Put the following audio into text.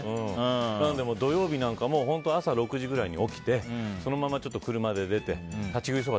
なので土曜日なんかも朝６時ぐらいに起きてそのまま車で出て立ち食いそば